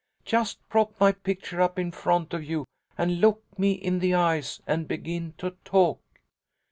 "'Just prop my picture up in front of you and look me in the eyes and begin to talk.